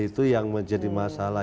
itu yang menjadi masalah